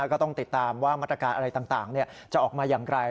ก็ต้องติดตามว่ามาตรการอะไรต่างจะออกมาอย่างไร